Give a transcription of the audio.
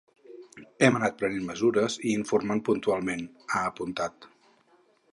“Hem anat prenent mesures i informant puntualment”, ha apuntat.